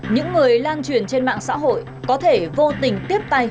những người lan truyền trên mạng xã hội có thể vô tình tiếp tay cho kẻ phản động